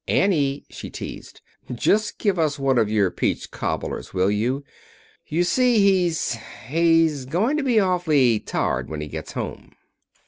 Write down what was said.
"Annie," she teased, "just give us one of your peach cobblers, will you? You see he he's going to be awfully tired when he gets home."